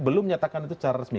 belum menyatakan itu secara resmi